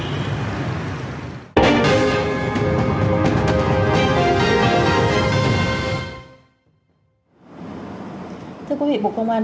thưa quý vị bộ công an đã tự nhiên tìm ra một vấn đề